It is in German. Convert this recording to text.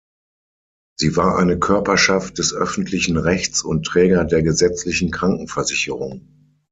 Sie war eine Körperschaft des öffentlichen Rechts und Träger der gesetzlichen Krankenversicherung.